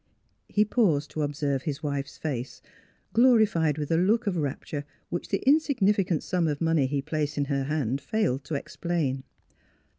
He paused to observe his wife's face, glorified with a look of rapture which the insignificant sum of money he placed in her hand failed to explain.